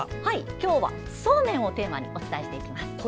今日はそうめんをテーマにお伝えしていきます。